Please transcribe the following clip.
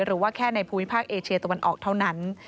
หรือว่าแค่ในภูมิภาคเอเชียตะวันออกเท่านั้น